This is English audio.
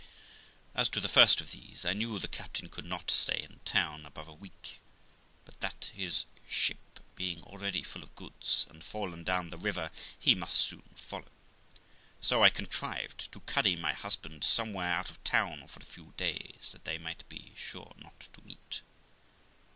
As to the first of these, I knew the captain could not stay in town above a week, but that, his ship being already full of goods, and fallen down the river, he must soon follow, so I contrived to carry my husband somewhere out of town for a few days, that they might be sure not to meet.